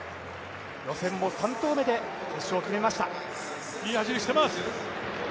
予選も３投目で決勝を決めました。